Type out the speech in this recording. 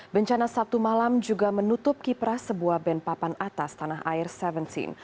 bencana sabtu malam juga menutup kiprah sebuah benpapan atas tanah air seventeen